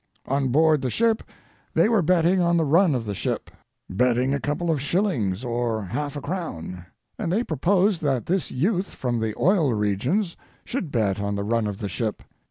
On board the ship they were betting on the run of the ship, betting a couple of shillings, or half a crown, and they proposed that this youth from the oil regions should bet on the run of the ship.